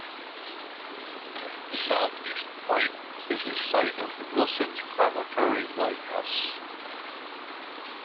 South East Point is the site of the Wilsons Promontory Lighthouse.